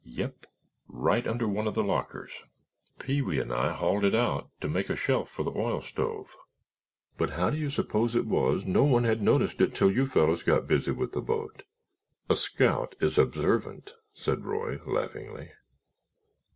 "Yup—right under one of the lockers. Pee wee and I had hauled it out to make a shelf for the oil stove." "But how do you suppose it was no one had noticed it till you fellows got busy with the boat?" "A scout is observant," said Roy, laughingly.